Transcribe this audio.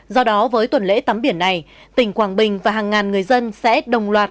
do đó với tuần lễ tắm biển này tỉnh quảng bình và hàng ngàn người dân sẽ đồng loạt